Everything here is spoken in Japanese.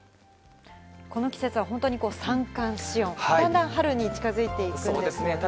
この季節は本当に三寒四温、だんだん春に近づいていくんですよね。